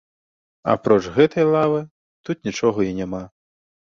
Апроч гэтай лавы, тут нічога і няма.